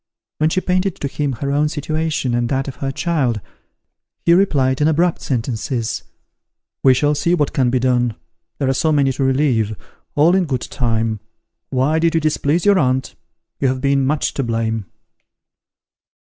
When she painted to him her own situation and that of her child, he replied in abrupt sentences, "We shall see what can be done there are so many to relieve all in good time why did you displease your aunt? you have been much to blame."